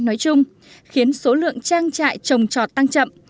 nói chung khiến số lượng trang trại trồng trọt tăng chậm